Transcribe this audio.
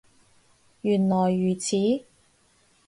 原來如此